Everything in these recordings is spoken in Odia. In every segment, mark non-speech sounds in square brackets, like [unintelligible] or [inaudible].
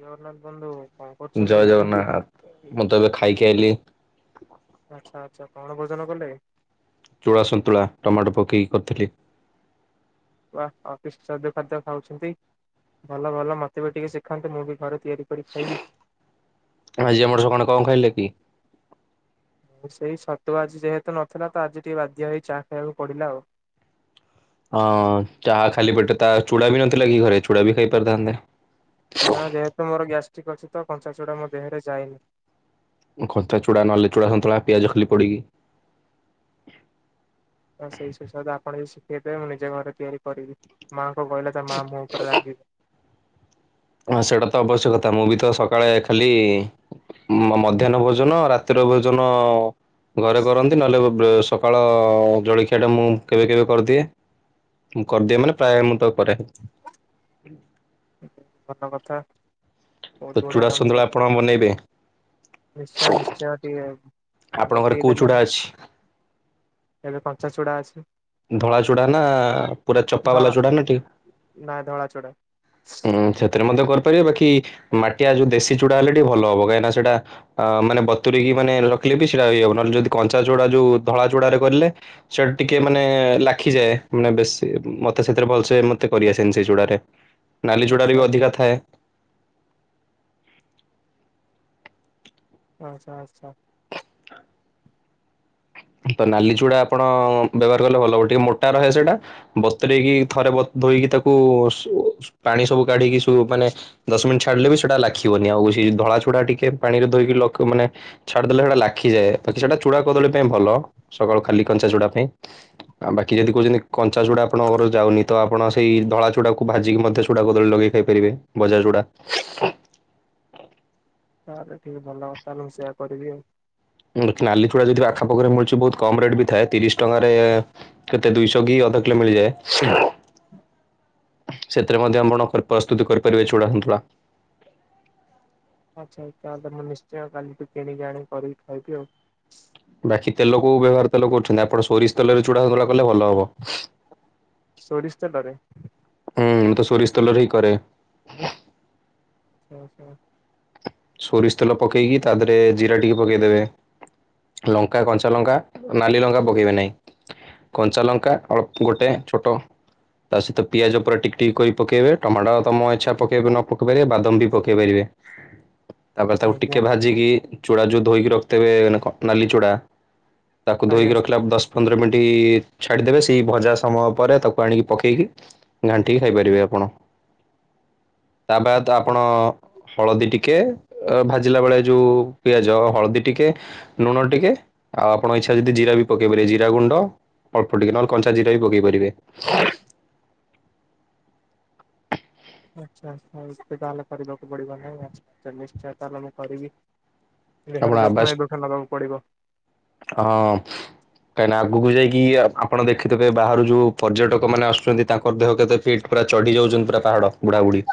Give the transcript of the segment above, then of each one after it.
ଜଗନ୍ନାଥ ବନ୍ଧୁ କଣ କରୁଛନ୍ତି? ଜୟ ଜଗନା ମୁଁ ତ ଏବେ ଖାଇକି ଆଇଲି ଆଚ୍ଛା ଆଚ୍ଛା କଣ ଭୋଜନ କଲେ ଚୂଳା ସନ୍ତୁଳା ଟମାଟୋ ପକେଇକି କରିଥିଲି ବାଉ କିଛି ଶାଦ୍ୟ ଖାଦ୍ୟ ଖାଉଛନ୍ତି ଭଲ ଭଲ ମତେ ବି ଟିକେ ଶିଖାନ୍ତୁ ମୁଁ ବି ଘରେ ତିଆରି ଖାଇବି ଆଜି ଆମର ସେଣ କଣ ଖାଇଲେ କି ସେଇ ସତୁ ଆଜି ଯେହେତୁ ନଥିଲା ତ ଆଜି ଟିକେ ବାଧ୍ୟ ହେଇ ଚାହା ଖାଇବାକୁ ପଡିଲା ଆଉ। ହଁ ଚାହା ଖାଲି ପଟେ ତା ଚୁଡ଼ା ବି ନଥିଲା କି ଘରେ ଚୁଡ଼ା ବି ଖାଇ ପାରିଥାନ୍ନ୍ତତା। ନା ଯେହେତୁ ମୋର ଗ୍ୟାଷ୍ଟ୍ରିକ୍ ଅଛି ତ ପଞ୍ଚାଶ ଗୁା ମୋ ଦେହରେ ଯାଏନି। ଖଥାତା ଚୁଡ଼ା ନହେଲେ ଚୁଡ଼ା ସନ୍ତଳା ପିଆଜ ଖାଲି ପଡିକି। ତ ସେଇ ସୁସାଦ ଆପଣ ଯଦ ଶିଖେଇଥବେ ମୁଁ ନିଜ ଘରେ ତିଆରି କରିବି। ମାଆ କ କହିଲେ ତା ମା ମୁଁ ଉପରେ ଲାଗିବି। ହଁ ସେଇଟା ତ ଅବଶ୍ୟକ କଥା ମୁଁ ବି ତ ସକାଳେ ଖାଲି ମଧ୍ୟାହ୍ନ ଭୋଜନ ରାତିର ଭୋଜନ ଘରେ କରନ୍ତି ନହେଲେ ଭ ସକାଳ ଜଳଖିଆ ଟା ମୁଁ କେବେ କେବେ କରିଦିଏ। ମୁଁ କରିଦିଏ ମାନେ ପ୍ରାୟ ମୁଁ ତା କ ହି ଭଲ କଥା ତ ବହୁତ ବଢିଆ ଚୂଡ଼ା କାମ ସନ୍ତୁଳା ଆପଣ କରୁଛି। ବନେଇବେ ନିଶ୍ଚୟ ନିଶ୍ଚୟ ଟିକି ଆପଣଙ୍କ ଘରେ ଭତେଇ କୋଉ ଦେଲେ ଚୂଡ଼ା ଅଛି? ଏବେ କଞ୍ଚା ଚୁଡ଼ା ଅଛି। ଧଳା ଚୁଡା ନା ପୁରା ଚପା ବାଲା ଧଳା ଚୁଡା ନା ଟିକେ ନା ଧଳା ଚୁଡା ହୁଁ ସେଥିରେ ମଧ୍ୟ କରିପାରିବେ ବାକି ମାଟିଆ ଯୋଉ ଦେଶୀ ଚୂଡା ହେଲେ ଟିକେ ଭଲ ହବ କାହିଁକି ନା ସେଟା ଅ ମାନେ ବତୁରିକି ମାନେ ରଖିଲେ ବି ସେଇଟା ହେଇଯବ ନହେଲେ ଯଦି କଞ୍ଚା ଚୋଡା ଯୋଉ ଧଳା ଚୋଡାରେ କଲେ ଚଟିକେ ମାନେ ଲାଖିଯାଏ ମାନେ ବେଶୀ ମତେ ସେଥିରେ ଭଲସେ ମତେ କରିଆସେନି ସେଇ ଚୁଡାରେ ନାଲି ଯୁଡ଼ାରେ ଆଚ୍ଛା ବି ଆଚ୍ଛା। ଅଧିକା ଥାଏ। ଆଚଛା ଆଚ୍ଛା। ତ ନାଲି ଚୁଡା ଆପଣ ବ୍ୟବହାର କଲେ ଭଲ ହବ ଟିକେ ମୋଟ ରହେ ସେଇଟା ବତରେଇକି ଥରେ ଧୋଇକି ତାକୁ ପାଣି ସବୁ କାଢିକି ମାନେ ଦଶ ମିନିଟ୍ ଛାଡିଲେ ବି ସେଟା ଲଖିବନିଉ ଧଳା ଛୁଡା ଟିକେ ପାଣିରେ ଧୋଇକି ଲ ମାନେ ଛାଡିଦେଲେ ସେଇଟା ଲାଖିଯାଏ ବାକି ସେଟା ଚୁଡା କଦଳୀ ପାଇଁ ଭଲ ସକାଳୁ ଖାଲି କଞ୍ଚା ଚୂଡା ପାଇଁ ଆଉ ବାକି ଯଦି କହୁଛନ୍ତି କଞ୍ଚା ଚୁଡା ଆପଣଙ୍କର ଯାଉନି ତ ଆପଣ ସେଇ ଧଳା ଚୁଡାକୁ ଭାଜିକି ମଧ୍ୟ ଚୁଡା କଦଳୀ ଲେଇ ଖାଇବେ ଫେବେ ବଜାର ଯୁଡା ତାହେଲେ ଟଠିକ ଭଲ ତାହେଲେ ମୁଁ ସେୟା କରିବି ଆଉ। ନାଲିଛୁଡା ଯଦି ପାଖାପାଖରେ ମିଳୁଛି ବହୁତ କମ ରେଟ୍ ବି ଥାଏ ତିରିଶ ଟଙ୍କାରେ କେତେ ଦୁଇଶହ କି ଅଧକିଲୋ ମିଳିଯାଏ। ସେଥିରେ ମଧ୍ୟ ଆପଣ ପ୍ରସ୍ତୁତି କରିପାରିବେ ଚୁଡ଼ାନ୍ତୁଳା। ଆଚ୍ଛା ତାହେଲେ ମୁ ନିଶ୍ଚୟ କାଲି ଟିକ କିଣିକି ଆଣି କରିକି ଖାଇବି ଆଉ। ବାକି ତେଲକୁୋ ବ୍ୟବହାର ତେଲ କରୁଛନ୍ତି ଆପଣ ସୋରିଷ ତେଲରେ ଚୂଡ଼ା ସନ୍ତୁଳା କଲେ ଭଲ ହବ। ସୋରିଷ ତେଲ ରେ। ହୁଁ ତ ସୋରିଷ ତେଲରେ ହିଁ କରେ। ଆଚା ଆଛା। ସୋରିଷ ତେଲ ପକେଇକି ତା ଦେହରେ ଜିରା ଟିକେ ପକେଇଦେବେ। ଲଙ୍କା କଞ୍ଚା ଲଙ୍କା ନାଲି ଲଙ୍କା ପକେଇବେ ନାହିଁ। କଞ୍ଚା ଲଙ୍କା ଅଳ୍ପ ଗୋଟେ ଛୋଟ ତା ସହିତ ପିଆଜ ଉପରେ ଟିକ ଟିକ କରି ପକେଇବେ ଟମାଟୋ ତମ ଇଚ୍ଛା ପକେଇ ନ ପକେଇ ପାରିବେ ବାଦମ ବି ପକେଇ ପାରିବେ। ତାପରେ ତାକୁ ଆଜ୍ଞା ଟିକେ ଭାଜିକି ଚୂଡ଼ା ଯୋଉ ଧୋଇକି ରଖିଥେବେ କଟନାଲି ଚୂଡ଼ା ତାକୁ ଆଜ୍ଞା ଧୋଇକି ରଖିଲା ଦଶ ପନ୍ଦର ମିନିଟ ଛାଡିଦେବେ ସେଇ ଭଜା ସମୟ ପରେ ତାକୁ ଆଣିକି ପକେଇକି ଘାଣ୍ଟିକି ଖାଇପାରିବେ ଆପଣ। ତା ବାତଃ ଆଚ୍ଛା ଆପଣ ହଳଦୀ ଟିକେ ଅ ଭାଜିଲା ବେଳେ ଯୋଉ ପିଆଜ ହଳଦୀ ଟିକେ ଲୁଣ ଟିକେ ଆଉ ଆପଣ ଇଚ୍ଛା ଯଦି ଜିରା ବି ପକେଇ ପାରିବେ ଜିରା ଗୁଣ୍ଡ ଅଳ୍ପ ଟିକେ ନହେଲେ କଞ୍ଚା ଜିରା ବି ପକେଇ ପାରିବେ। ଆଚ୍ଛା ଆଚ୍ଛା ନିଶ୍ଚୟ ତାହେଲେ କରିବାକୁ ପଡିବ ନାହିଁ ଆ ନିଶ୍ଚୟ ତାହେଲେ ମୁଁ କରିବି। ଆପଣ ଦେହହାର ଆବାସ ଯତ୍ନ ଏବେଖା ନବାକୁ ପଡିବ। ହଁ। କାହିଁକି ନା ଆଗକୁ ଯାଇକି ଆପଣ ଦେଖିଥିବେ ବାହାରୁ ଯୋଉ ପର୍ଯ୍ୟଟକ ମାନେ ଆସୁଛନ୍ତି। ତାଙ୍କର ଦେହ କେତେ ଫିଟ୍ ପୁରାଢି ଯାଉଛନ୍ତି ପୁରା ପାହାଡ ବୁଢା ବୁଢୀ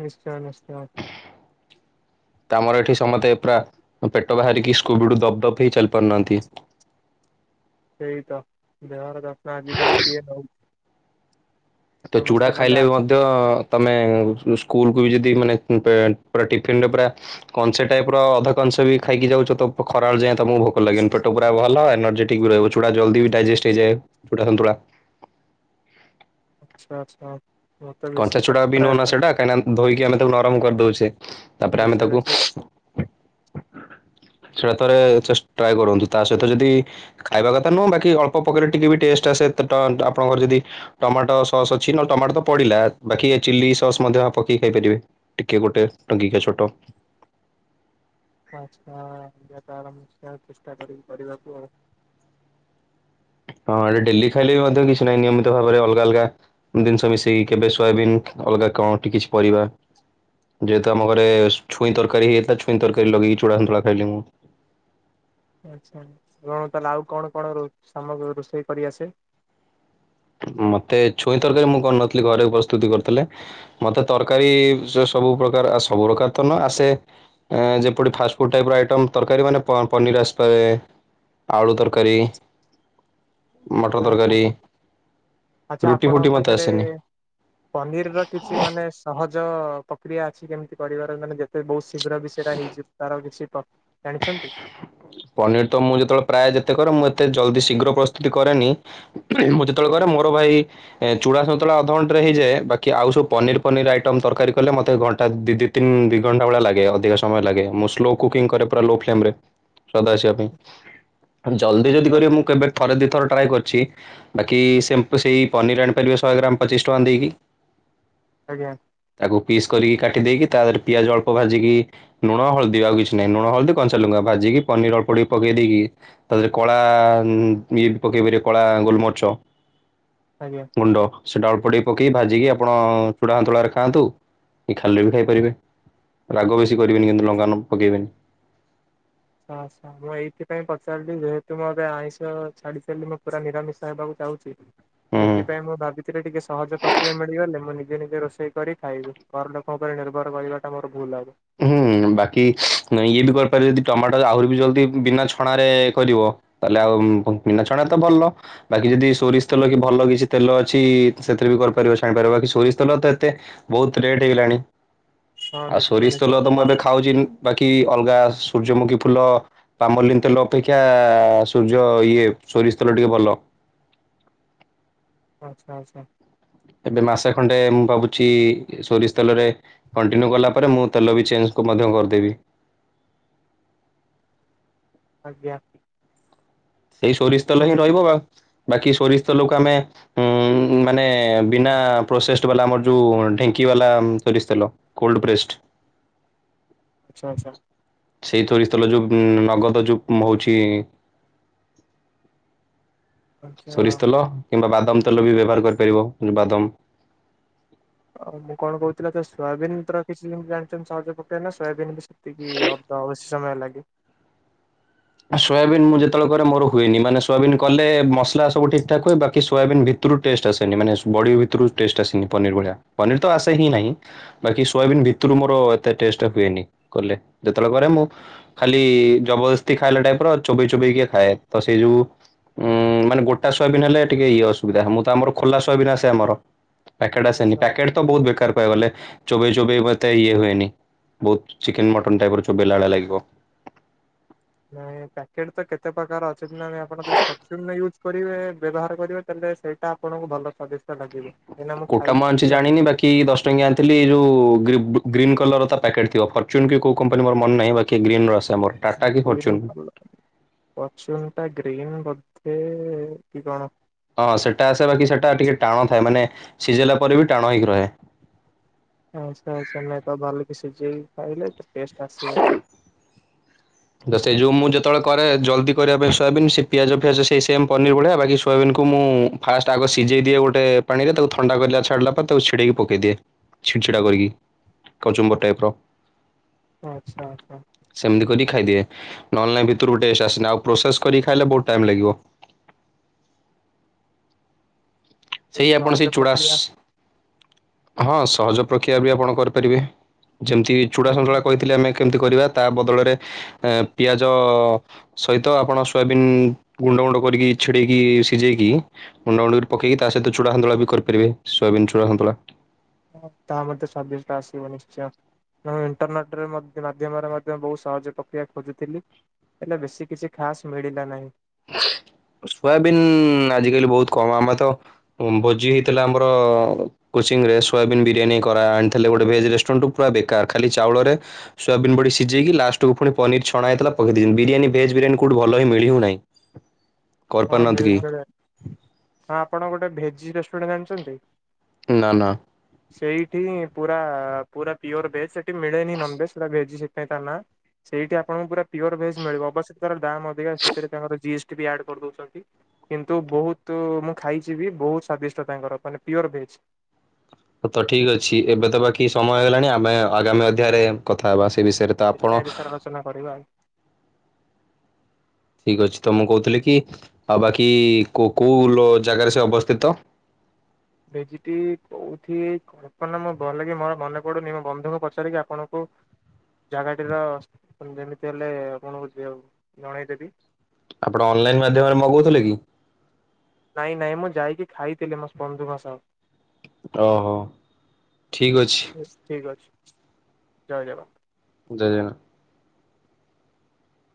ନିଶ୍ଚୟ ନିଶ୍ଚୟ ତ ଆମର ଏଠି ସମସ୍ତେ ପୁରା ପେଟ ବାହାରିକି ସ୍କୁବିଡୁ ଦପ ଦପ ହେଇ ଚାଲି ପାରୁନାହାନ୍ତି ସେଇ ତ ବହାରଣ ଆଜିିକାଲି କିଏ ନା ତ ଚୁଡା ଖାଇଲେ ବି ଆଜି ମଧ୍ୟ ତମେ ସ୍କୁଲକୁୁ ବି ଯଦି ମାନେ ପ ଟିଫିନରେ ପୁରା କଂସେ ଟାଇପ ର ଅଧ କଂସ ବି ଖାଇକି ଯାଉଛ ତ ଖରାଳ ଯାଏଁ ତମକୁ ଭ କ ପେଟ ପୁରା ଭଲ ଏନର୍ଜେଟିକ ବି ରହିବ ଚୁାଲ୍ଦି ଡାଇଜେଷ୍ଟ ହେଇଯାଏୁାନ୍ତୁା ଆଚ୍ଛା ଆଚ୍ଛା ମତେ ବେଶୀ କଞ୍ଚା ଛୁଡ଼ା ବି ନୁହନା ପ୍ରାୟତଃ ସେଇଟା କାହିଁକିନା ଧୋଇକି ଆମେ ତାକୁ ନରମ କରିଦଉଛେ ତାପରେ ଆମେ ନିଶା ତାକୁ ନିଶା ସେଇଟା ଥରେ ଟ୍ରାଏ କରନ୍ତୁ ତା ସହିତ ଯଦି ଖାଇବା କଥା ନୁହଁ ବାକି ଅଳ୍ପ ପକରେ ଟିକେ ବି ଟେଷ୍ଟ ଆସେ ଆପଣଙ୍କର ଯଦି ଟମାଟୋ ସସ୍ ଅଛି ନହଲେ ଟମାଟୋ ତ ପଡିଲା ବାକି ଚିଲି ସସ୍ ମଧ୍ୟ ପକେଇକି ଖାଇପାରିବେ ଟିକେ ଗୋଟେ ଟଙ୍କିକା ଛୋଟ ପାଞ୍ଚା ଆର ସେ ଚେଷ୍ଟା କରିକି କରିବାକୁ ଆଉ ହଁ ଏଟା ଡେଲି ଖାଇଲେ ବି ମଧ୍ୟ କିଛି ନାହିଁ ନିୟମିତ ଭାବରେ ଅଲଗା ଅଲଗା ଜିନିଷ ମିଶେଇକି କେବେ ସୋୟାବିନ୍ ଅଲଗା କଣଠି କିଛି ପରିବା ଯେହେତୁ ଆମ ଘରେ ଛୁଇଁରୀ ହେଇଥିଲା ଛଇଁ ତରକାରୀ ଲଗେଇି ଚୁାନ୍ତୁଳା ଖାଇଲି ମୁଁ ଆଚ୍ଛା କଣ ତାହେଲେ ଆଉ କଣ କଣ ସାମଗ୍ରୀ ରୋଷେଇ କରିଆସେ ମତେ ଛୁଇଁ ତରକାରୀ ମୁଁ କରିନଥିଲି ଘରେ ପ୍ରସ୍ତୁତି କରିଥିଲେ ମତେ ତରକାରୀ ସବୁ ପ୍ରକାର ସବୁ ପ୍ରକାର ତ ନ ଆସେ ଯେପରି ଫାଷ୍ଟଫୁଡ ଟାଇପ ର ଆଇଟମ ତରକାରୀ ମାନେ ପନିର ଆସିପାରେ ଆଳୁ ତରକାରୀ ମଟର ତରକାରୀ ଆଚ୍ଛା ରୁଟି ଆପଣଙ୍କ ଫୁଟି ମତେ ପାଖରେ ଆସେନି। ପନିର ର କିଛି ମାନେ ସହଜ ପ୍ରକ୍ରିୟା ଅଛି କେମିତି କରିବାର ମାନେ ଯେତେ ବହୁତ ଶୀଘ୍ର ବିଷୟରେ ହେଇଯିବ ତାର କିଛି ଜାଣିଛନ୍ତି ପନିର ତ ମୁଁ ଯେତେବେଳେ ପ୍ରାୟ ଯେତେ କରେ ମୁଁ ଏତେ ଜଲଦି ଶୀଘ୍ର ପ୍ରସ୍ତୁତି କରେନି ମୁଁ ଯେତେବେଳେ କରେ ମୋର ଭାଇ ଏ ଚୂଡ଼ା ସନ୍ତୁଳା ଅଧଘଣ୍ଟାରେ ହେଇଯା ବାକି ଆଉ ସବୁ ପନିର ପନିର ଆଇଟମ ତରକାରୀ କଲେ ମତେ ଘଣ୍ଟା ତିନି ଦିଇ ଘଣ୍ଟା ଭଳି ଲାଗେ ଅଧିକ ସମୟ ଲାଗ ମୁଁ ସ୍ଲୋ କୁକିଂ କ ପୁରା ଲୋ ା ଆସିବା ପାଇଁ ଜଲି ଯଦି ଆଚ୍ଛା କର ମୁଁ କେବେ ଥରେ ଦିଇ ଥର ଟ୍ରାଏ କରିଛି ବାକି ସେ ସେଇ ପନିର ଆଣି ପାରିବେ ଶହେ ଗ୍ରାମ ପଚିଶି ଟଙ୍କା ଦେଇକି ଆଜ୍ଞା ତାକୁ ପିସ୍ କରିକି କାଟି ଦେଇକି ତାହରେ ପିଆଜ ଅଳ୍ପ ଭାଜିକି ଲୁଣ ହଳଦୀ ଆଉ କିଛି ନାହିଁ ଲୁଣ ହଳଦୀ କଞ୍ଚା ଲଙ୍କା ଭାଜିକି ପନିର ଅଳ୍ପ ଟିକେ ପକେଇ ଦେଇକି ତାଥିରେ କଳା ଇଏ ବି ପକେଇ ପାରିବ କଳା ଗୋଲମରିଚ ଆଜ୍ଞା ଗୁଣ୍ଡ ସେ ଟା ଅଳ୍ପ ଟିକେ ପକେଇି ଭାଜିକି ଆପଣ ଚୁଡ଼ା ସନ୍ତୁଳାରେ ଖାଆନ୍ତୁ ଏ ଖାଲିରେ ବି ଖାଇପାରିବେ ରାଗ ବେଶୀ କରିବେନି କିନ୍ତୁ ଲଙ୍କା ପକେଇବେନି ଆଚ୍ଛା ଆଚ୍ଛା ମୁଁ ଏଇଥିପାଇଁ ପଚାରିଲି ଯେହେତୁ ମୁଁ ଏବେ ଆଇଁଷ ଛାଡି ସାରିଲି ମୁଁ ପୁରା ନିରାମିଷ ହେବାକୁ ଚାହୁଁଛି ହୁଁ। ସେଥିପାଇଁ ମୁଁ ଭାବିିଥିଲି ଟିକେ ସହଜ ପ୍ରକ୍ରିୟା ମିଳିଗଲେ ମୁଁ ନିଜେ ନିଜେ ରୋଷେଇ କରି ଖାଇବି ଘର ଲୋକଙ୍କ ଉପରେ ନିର୍ଭର କରିବାଟା ମୋର ଭୁଲ୍ ହେବ ହୁଁ ବାକି ଇଏ ବି କରିପାରିବ ଯଦି ଟମାଟ ଆହୁରି ବି ଜଲଦି ବିନା ଛଣାରେ କରିବ ତାହେଲେ ଆଉ ବିନା ଛଣା ତ ଭଲ ବାକି ଯଦି ସୋରିଷ ତେଲ କି ଭଲ କିଛି ତେଲ ଅଛି ସେଥିରେ ବି କରିପାରିବ ଛାଣି ପାରିବ ବାକି ସୋରିଷ ତେଲ ତ ଏତେ ବହୁତ ରେଟ୍ ହେଇଗଲାଣି ହଁ ଆଉ ନିଶ୍ଚୟ ସୋରିଷ ନିଶ୍ଚୟ ତେଲ ତ ମୁ ପ୍ରବଳ ଏବେ ଖାଉଛି ବାକି ଅଲଗା ସୂର୍ଯ୍ୟମୁଖୀ ଫୁଲ ପାମଲିନ୍ ତେଲ ଅପେକ୍ଷା ସୂର୍ଯ୍ୟ ଇଏ ସୋରିଷ ତେଲ ଟିକେ ଭଲ ଆଚ୍ଛା ଆଚ୍ଛା। ଏବେ ମାସେ ଖଣ୍ଡେ ମୁଁ ଭାବୁଛି ସୋରିଷ ତେଲରେ କଣ୍ଟିନ୍ୟୁ କଲା ପରେ ମୁଁ ତେଲ ବି ଚେଞ୍ଜ ମଧ୍ୟ କରିଦେବି। ଆଜ୍ଞା। ସେଇ ସୋରିଷ ତେଲ ହିଁ ହଁ ରହିବ ବା ବାକି ସୋରିଷ ତେଲକୁ ଆମେ ଉଁ ମାନେ ବିନା ପ୍ରୋସେସ ବାଲା ଆମର ଯୋଉ ଢେଙ୍କି ବାଲା ସୋରିଷ ତେଲ। Cold pressed. ଆଚ୍ଛା ଆଚ୍ଛା। ସେଇ ସୋରିଷ ତେଲ ଯେଉଁ ନଗଦ ଯେଉଁ ହଉଛି ଆଚ୍ଛା ସୋରିଷ ତେଲ କିମ୍ବା ବାଦାମ ତେଲ ବି ବ୍ୟବହାର କରିପାରିବ ବାଦାମ ଆଉ ମୁଁ କଣ କହୁଥିଲ ତ ସୋୟାବିନ ତ କିଛି ଜାଣିଛନ୍ତି ସହଜ ପକାନା ସୋୟବିନ ବି ସେତିକି ଅଧ ଅବଶ୍ୟ ସମୟ ଲାଗେ ସୋୟାବିନ୍ ମୁଁ ଯେତେବେଳେ କରେ ମୋର ହୁଏନି ମାନେ ସୋୟବିନ୍ କଲେ ମସଲା ସବୁ ଠିକ ଠାକ୍ ହୁଏ ବାକି ସୋୟାବିନ ଭିତ ଟେଷ୍ଟ ଆସେନି ମାନେ ବଡି ଭିତରୁ ଟେଷ୍ଟ ଆସେନି ପନିର ଭଳିଆ ପନିର ତ ଆସେ ହିଁ ନାହିଁ। ବାକି ସୋୟାବିନ୍ ଭିତରୁ ମୋର ଏତେ ଟଷ୍ଟ ହୁଏନି କଲେ ଯେତେବେଳେ କରେ ମୁଁ ଖାଲି ଜବରଦସ୍ତି ଖାଇଲା ଟାଇପ ର ଚୋବେଇ ଚୋବେଇ କିଏ ଖାଏ ତ ସେଇ ଯୋଉ ଉ ମାନେ ଗୋଟା ସୋବନ୍ ହେଲେ ଟିକେ ଇଏ ଅସୁବିଧା ମୁଁ ତ ଆମର ଖୋଲାସୟାବିନ୍ ଆସେ ଆମର। ପ୍ୟାକେଟ ଆସେନି ଆଚ୍ଛା ପ୍ୟାକେଟ ତ ବହୁତ ବେକାର କହିବା କୁ ଗଲେ ଚୋବେଇ ଚୋବେଇ ମତେ ଇଏ ହୁଏନି। ବହୁତ ଚିକେନ ମଟନ୍ ଟାଇପ ର ଚୋବେଇଲା ଭଳି ଲାଗିବ। ନାଇଁ ପ୍ୟାକେଟ୍ ତ କେତେ ପ୍ରକାର ଅଛନ୍ତି ନା ନାହିଁ ଆପଣ ଯଦି ଫର୍ଟୁନର ୟୁଜ୍ କରିବେ ବ୍ୟବହାର କରିବେ ତାହେଲେ ସେଇ ଟା ଆପଣଙ୍କୁ ଭଲ ସ୍ଵାଦିଷ୍ଟ ଲାଗିବ କାହିଁକି ନା ମୁଁ ଖାଇଛି ତ ଜାଣିଛି। କି ଦଶ ଟଙ୍କିଆ ଆଣିଥିଲି ଯଉ ଗ୍ରିବ୍ ଗ୍ରୀନ୍ କଲରର ତା ପ୍ୟାକେଟ୍ ଥିବ ଫର୍ଚୁନ କି କୋଉ କମ୍ପାନୀ ମୋର ମନେ ନାହିଁ ବାକି ଗ୍ରୀନ ର ଆସେ। ଆମର ଟାଟା କି ଗ୍ରୀନ ଫର୍ଚୁନ୍ [unintelligible] ଫର୍ଟୁନ ଟା ଗ୍ରୀନ୍ ବୋଧେ କି କଣ? ହଁ ସେଟା ଆସେ ବାକି ସେଟା ଟିକେ ଟାଣ ଥାଏ ମାନେ ସିଝେଇଲା ପରେ ବି ଟାଣ ହେଇକି ରହେ। ଆଚ୍ଛା ଆଚ୍ଛା ନାଇଁ ତ ବାଲିକି ସିଝେଇକି ଖାଇଲେ ଟେଷ୍ଟ ଆସିବ। ତ ସେ ଯୋଉ ମୁଁ ଯେତେବେଳେ କରେ ଜଲ୍ଦି କରିବା ପାଇଁ ସୋୟବିନ୍ ସେ ପିଆଜ ଫିଆଜ ସେଇ ସେମ ପନିର ଭଳିଆ ବାକି ସୋୟବିନ କୁ ମୁଁ ଫାଷ୍ଟ ଆଗ ସିଝେଇ ଦିଏ ଗୋଟେ ପାଣିରେ ତାକୁ ଥଣ୍ଡା କରିଲା ଛାଡ଼ିଲା ପରେ ତାକୁ ଛିଡେଇକି ପକେଇ ଦିଏ। ଛିନଚ୍ଚଡ଼ା କରିକି କଚୁମ୍ବର ଟାଇପ ର। ଆଚ୍ଛା ଆଚ୍ଛା। ସେମିତି କରିକି ଖାଇଦିଏ ନହେଲେ ନାଇ ଭିତର କୁ ଟେଷ୍ଟ ଆସେନି ଆଉ ପ୍ରୋସେସ କରିକି ଖାଇଲେ ବହୁତ ଟାଇମ ଲାଗିବ। ଏଇ ସେଇ ଆପଣ ସହଜ ସେଇ ଚୂଡ଼ାସ ପ୍ରକ୍ରିୟା ହଁ ସହଜ ପ୍ରକ୍ରିୟା ବି ଆପଣ କରିପାରିବେ ଯେମିତି ଚୂଡ଼ାସନ୍ତୁଳା କହିଥିଲେ ଆମେ କେମିତି କରିବା ତା ବଦଳରେ ପିଆଜ ସହିତ ଆପଣ ସୋୟାବିନ୍ ଗୁଣ୍ଡ ଗୁଣ୍ଡ କରିକି ଛିଡେଇକି ସିଝେଇକି ମୁଣ୍ଡ ଗୁଣ୍ଡ ପକେଇକି ତା ସହିତ ଚୁଡ଼ାୁଳା ବି କରିପାରିବେ ସୋୟାବିନ ଚୁଡ଼ା ସନ୍ତୁଳା। ତା ମେ ସଵାଦଶ ଟା ଆସିବ ନିଶ୍ଚୟ। ମୁ ମୁଁ ଇଣ୍ଟରନେଟ୍ର ମାଧ୍ୟମରେ ମଧ୍ୟ ବହୁତ ସହଜ ପ୍ରକ୍ରିୟା ଖୋଜୁଥିଲି ହେଲେ ବେଶୀ କିଛି ଖାସ ମିଳିଲା ନାହିଁ। ସୋୟାବିିନ ଆଜିକାଲି ବହୁତ କମ ଆମେ ତ ଭୋଜି ହେଇଥିଲା ଆମର କୋଚି ରେୋୟାବିନ୍ ବିରିୟାନୀ କରା ଆଲେ ଗୋଟେ ଭେଜ ରେଷ୍ଟୁରାଣ୍ଟୁ ପୁରା ବେକାର ଖାଲି ଚାଉଳରେ ସୋୟାବନ୍ ବଢି ସିଝେଇକି ଲଷ୍ଟକୁୁ ପନିର ଛଣା ହେଇ ପେଇ ଦେଇି ବିରିୟୀ ଭେଜ ବିୟାନୀୋଉଠ ଭଲିଁ ମିଳିବନହିଁ। ହଁ ଭେଜ୍ ଭେ ହଁ ଆପଣ ଗୋଟେ ଭେଜ୍ ରେଷ୍ଟୁରାଣ୍ଟ ଜାଣିଛନ୍ତି? ନା ନା। ଁ [unintelligible] ସେଇଠି ପୁରା ପୁରା ପିଓର ଭେଜ ସେଠି ମିଳେନି ନନ ଭେଜ ସେଟା ଭେଜ ନା ସେଇଠି ଆପଣଙ୍କୁ ପା ପିଓର ଭେଜ୍ ମିଳିବ ଅବଶ୍ୟ ତାର ଦମ୍ ଅଧିକା ସେଥିରେ ତାଙ୍କର ଜିସ୍ଟି ବି ଆ କରିଦଉଛନ୍ତି କିନ୍ତୁ ବହୁତ ମୁଁ ଖାଇଛି ବି ବହୁତ ସ୍ଵାଦିଷ୍ଟ ତାଙ୍କର ମାନେ ପିଓର ଭେଜ। ହ ତ ଠିକ ଅଛି ଏବେ ତ ବାକି ସମୟ ହେଗଲାଣି ଆମେ ଆଗାମୀ ଅଧ୍ୟାୟରେ କଥା ହେବା ସେ ବିଷୟରେ। ତ ଆପଣ ନିଶ୍ଚୟ ବିଷୟରେ ଆଲୋଚନା କରିବା ଆଉ। ଠିକ ଅଛି ତ ମୁଁ କହୁଥିଲି କି ଆଉ ବାକି କୋ କୋଉ ଜାଗାରେ ସେ ଅବସ୍ଥିତ? ଭେଜିଟି କୋଉଠି କଳ୍ପନା ମୁଁ ଭଲ କିି ମୋର ମନେ ପଡୁନି ମୋ ବନ୍ଧୁଙ୍କୁ ପଚାରିକି ଆପଣଙ୍କୁ ଜାଗାଟିର ଯେମିତି ହେଲେ ଆପଣଙ୍କୁ ଜଣେଇଦେବି। ଆପଣ ଅନଲାଇନ ମାଧ୍ୟମରେ ମଗଉଥିଲେ କି? ନାଇଁ ନାଇଁ ମୁଁ ଯାଇକି ଖାଇଥିଲି ମୋ ସ୍ ବନ୍ଧୁଙ୍କ ସହ। ଓହୋ ଠିକ ଅଛି। ଠିକ୍ ଅଛି ଜୟ ଜଗ [unintelligible]